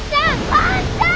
兄ちゃん！